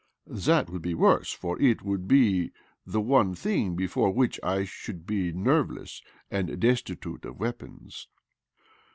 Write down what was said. That would be worse, for it would be the one thing before which I should be nerveless and desti tute of weapons.